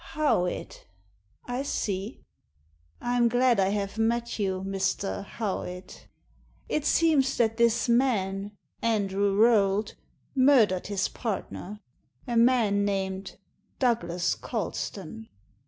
"Howitt? — I see — I'm glad I have met 3rou, Mr. Howitt It seems that this man, Andrew Rolt, murdered his partner, a man named Douglas Colston."